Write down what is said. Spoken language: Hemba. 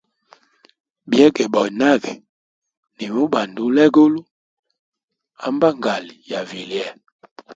Begeboya nage, nimubanda hegulu, ha mbangali ya vilye.